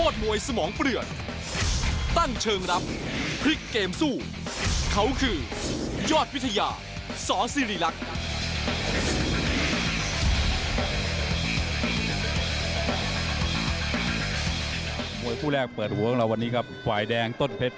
สอสิริลักษณ์